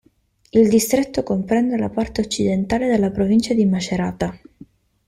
Il distretto comprende la parte occidentale della provincia di Macerata.